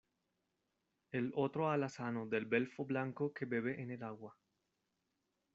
el otro alazano del belfo blanco que bebe en el agua.